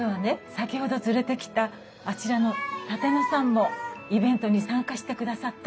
先ほど連れてきたあちらの舘野さんもイベントに参加してくださったんです。